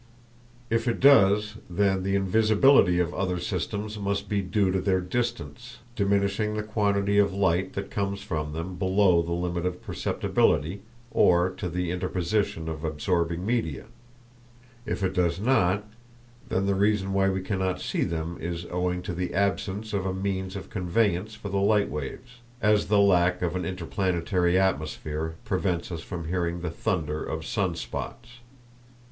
If it does, then the invisibility of the other systems must be due to their distance diminishing the quantity of light that comes from them below the limit of perceptibility, or to the interposition of absorbing media; if it does not, then the reason why we cannot see them is owing to the absence of a means of conveyance for the light waves, as the lack of an interplanetary atmosphere prevents us from hearing the thunder of sun spots.